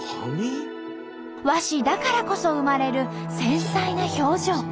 和紙だからこそ生まれる繊細な表情。